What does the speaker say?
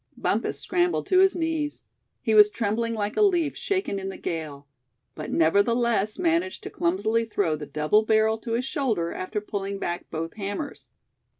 Bumpus scrambled to his knees. He was trembling like a leaf shaken in the gale; but nevertheless managed to clumsily throw the double barrel to his shoulder, after pulling back both hammers.